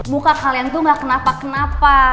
muka kalian tuh enggak kenapa kenapa